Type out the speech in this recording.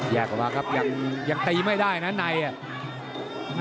แยกกว่าครับยังตีไม่ได้นะไนท์